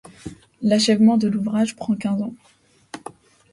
L'achèvement de l'ouvrage prend quinze ans.